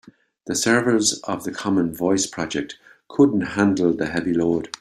The servers of the common voice project couldn't handle the heavy load.